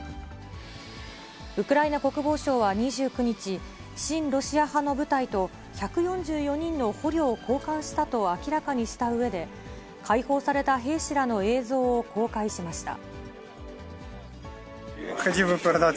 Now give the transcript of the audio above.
ウクライナ国防省は２９日、親ロシア派の部隊と１４４人の捕虜を交換したと明らかにしたうえで、解放された兵士らの映像を公開しました。